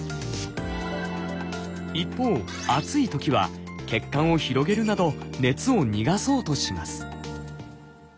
一方暑い時は血管を広げるなど熱を逃がそうとします。